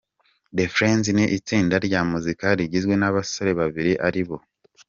The Friends ni itsinda rya muzika rigizwe n’abasore babiri aribo: M.